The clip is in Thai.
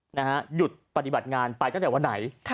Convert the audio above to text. หยุดปฏิบัติงานไปตั้งแต่วันไหน